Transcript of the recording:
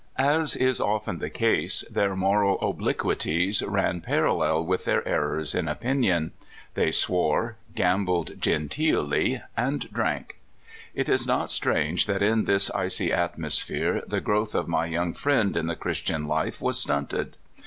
As is often the case, their moral obliquities ran parallel with their er rors in opinion. They swore, gambled genteelly, and drank. It is not strange that in this icy at mosphere the growth of my young friend in the Christian life was stunted.